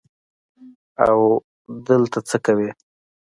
او او ته دلته څه کوې.